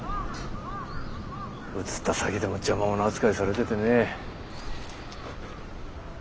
移った先でも邪魔者扱いされててねえ。